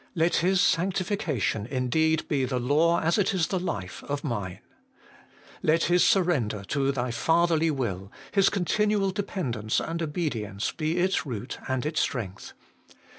Let His sanctification indeed be the law as it is the life of mine. Let His surrender to Thy fatherly will, His continual dependence and obedience, be its root and its strength.